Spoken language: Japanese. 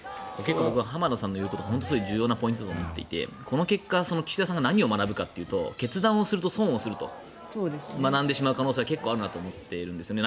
浜田さんの言うこと重要なポイントだと思っていてこの結果岸田さんが何を学ぶかというと決断をすると損するということを学ぶ可能性が結構あるなと思ってるんですよね。